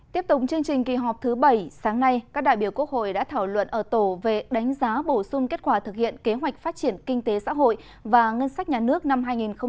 tiếp tục chương trình kỳ họp thứ bảy sáng nay các đại biểu quốc hội đã thảo luận ở tổ về đánh giá bổ sung kết quả thực hiện kế hoạch phát triển kinh tế xã hội và ngân sách nhà nước năm hai nghìn một mươi chín